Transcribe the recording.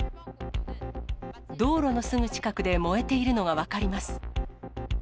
道路のすぐ近くで燃えているのが分かります。